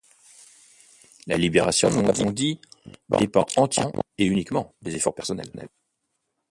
La libération, nous l'avons dit, dépend entièrement et uniquement des efforts personnels.